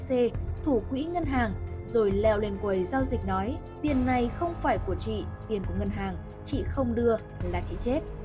ac thủ quỹ ngân hàng rồi leo lên quầy giao dịch nói tiền này không phải của chị tiền của ngân hàng chị không đưa là chị chết